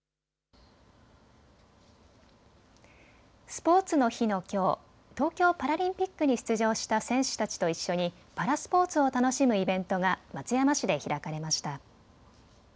スポーツの日のきょう、東京パラリンピックに出場した選手たちと一緒にパラスポーツを楽しむイベントが松山市で開かれました。